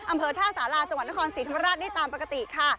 อำเภอท่าสาราจังหวัดนครศรีธรรมราชได้ตามปกติค่ะ